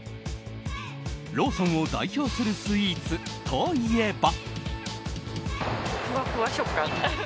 ローソンを代表するスイーツといえば。